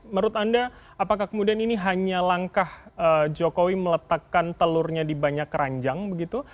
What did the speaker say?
menurut anda apakah kemudian ini hanya langkah jokowi meletakkan telurnya di banyak keranjang begitu